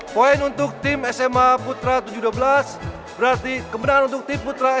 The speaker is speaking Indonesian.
poin untuk tim sma putra tujuh ratus dua belas berarti kebenaran untuk tim putra sma tujuh ratus dua belas